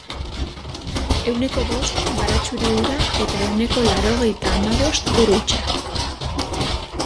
Ehuneko bost baratxuri ura eta ehuneko laurogeita hamabost ur hutsa.